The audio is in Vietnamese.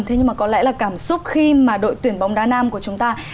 thế nhưng có lẽ là cảm xúc khi đội tuyển bóng đá nam của chúng ta